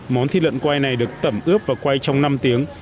món thịt lợn quay này được tẩm ướp và quay trong năm tiếng